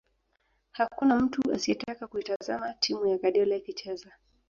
Hakuna mtu asiyetaka kuitazama timu ya Guardiola ikicheza